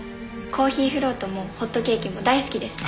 コーヒーフロートもホットケーキも大好きです。